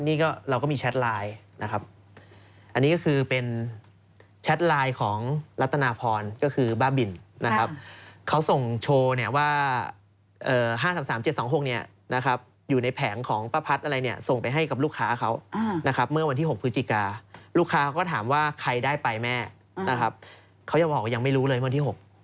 นี่ก็เราก็มีแชทไลน์นะครับอันนี้ก็คือเป็นแชทไลน์ของรัฐนาพรก็คือบ้าบินนะครับเขาส่งโชว์เนี่ยว่า๕๓๓๗๒๖เนี่ยนะครับอยู่ในแผงของป้าพัดอะไรเนี่ยส่งไปให้กับลูกค้าเขานะครับเมื่อวันที่๖พฤศจิกาลูกค้าเขาก็ถามว่าใครได้ไปแม่นะครับเขายังบอกว่ายังไม่รู้เลยวันที่๖